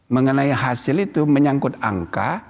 mengenai hasil itu menyangkut angka